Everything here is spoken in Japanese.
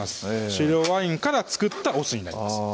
白ワインから造ったお酢になります